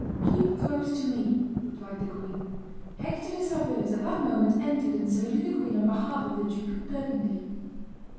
"Keep close to me," replied the queen. Hector de Saveuse at that moment entered and saluted the queen on behalf of the Duke of Burgundy.